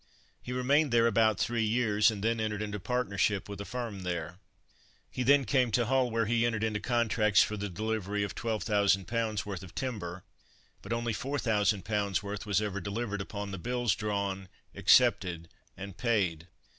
He remained there about three years, and then entered into partnership with a firm there. He then came to Hull where he entered into contracts for the delivery of 12,000 pounds worth of timber, but only 4,000 pounds worth was ever delivered upon the bills drawn, accepted, and paid.